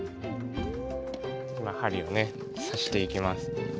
今針をね刺していきます。